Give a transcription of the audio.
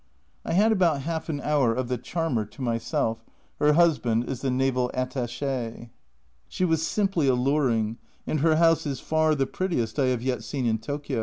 I had about half an hour of the Charmer to myself her husband is the Naval Attache. She was simply alluring, and her house is far the prettiest I have yet seen in Tokio.